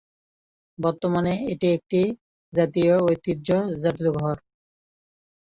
বর্তমানে এটি একটি জাতীয় ঐতিহ্য জাদুঘর।